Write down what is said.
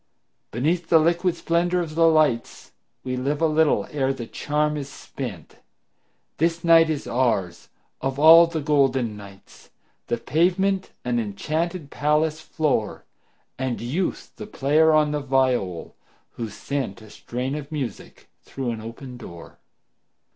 Beneath the liquid splendor of the lights We live a little ere the charm is spent; This night is ours, of all the golden nights, The pavement an enchanted palace floor, And Youth the player on the viol, who sent A strain of music through an open door.